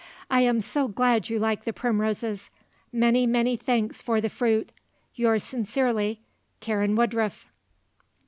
I am so glad you like the primroses. Many, many thanks for the fruit. Yours sincerely, "Karen Woodruff."